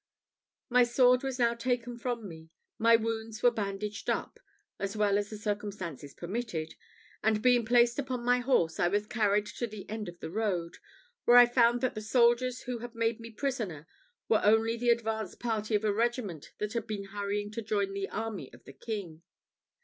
My sword was now taken from me, my wounds were bandaged up, as well as the circumstances permitted; and being placed upon my horse, I was carried to the end of the road, where I found that the soldiers who had made me prisoner were only the advance party of a regiment that had been hurrying to join the army of the king.